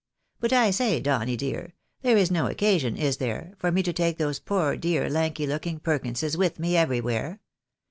But, I say, Donny dear, there is no occasion, is there, for me to take those poor dear lanky looking Perkinses with me, everywhere